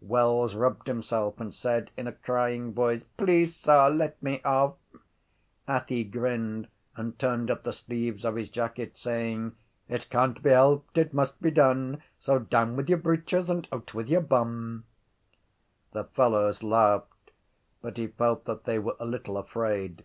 Wells rubbed himself and said in a crying voice: —Please, sir, let me off! Athy grinned and turned up the sleeves of his jacket, saying: It can’t be helped; It must be done. So down with your breeches And out with your bum. The fellows laughed; but he felt that they were a little afraid.